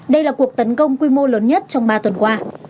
đây là cuộc tấn công quy mô lớn nhất trong ba tuần qua